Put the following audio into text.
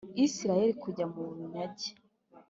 Isirayeli kujya mu bunyage